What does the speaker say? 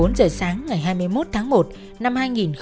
bốn h sáng ngày hai mươi một tháng một năm hai nghìn một mươi hai